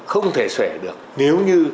không thể sẻ được nếu như